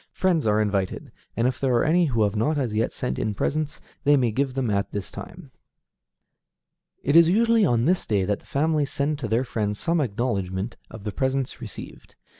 Friends are invited, and if there are any who have not as yet sent in presents, they may give them at this time. It is usually on this day that the family send to their friends some acknowledgment of the presents received.